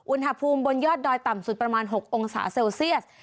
อุณหภูมิบนยอดดอยต่ำสุดประมาณ๖องศาเซลเซียส